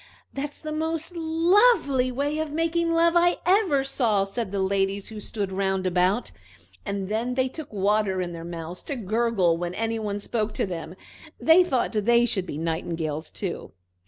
"That's the most lovely way of making love I ever saw!" said the ladies who stood round about, and then they took water in their mouths to gurgle when any one spoke to them. They thought they should be nightingales too.